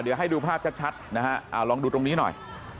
เดี๋ยวให้ดูภาพชัดนะฮะลองดูตรงนี้หน่อย